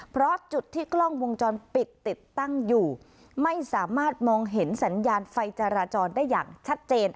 เพราะจุดที่กล้องวงจรปิดติดตั้งอยู่ไม่สามารถมองเห็นสัญญาณไฟจราจรได้อย่างชัดเจน